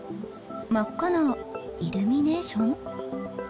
真っ赤なイルミネーション？